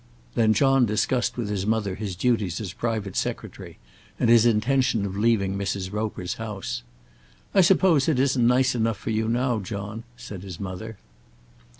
Then John discussed with his mother his duties as private secretary, and his intention of leaving Mrs. Roper's house. "I suppose it isn't nice enough for you now, John," said his mother.